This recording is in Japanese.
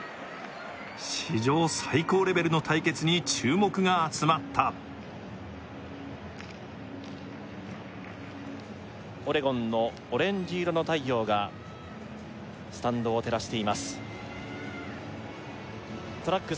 史上最高レベルの対決に注目が集まったオレゴンのオレンジ色の太陽がスタンドを照らしていますトラック